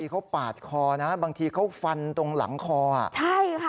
เขาปาดคอนะบางทีเขาฟันตรงหลังคออ่ะใช่ค่ะ